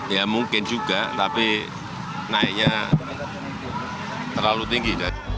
ya mungkin juga tapi naiknya terlalu tinggi